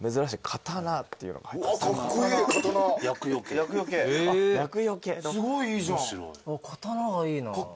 刀がいいな。